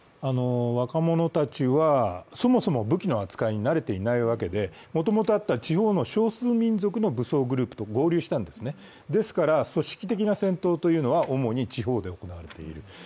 若者たちは、そもそも武器の扱いに慣れていないわけで、もともとあった地方の少数民族の武装グループと合流したんですね、ですから、組織的な戦闘は主に地方で行われている。